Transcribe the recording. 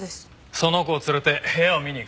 その子を連れて部屋を見に行く。